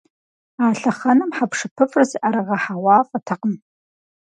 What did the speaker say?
А лъэхъэнэм хьэпшыпыфӏыр зыӏэрыгъэхьэгъуафӏэтэкъым.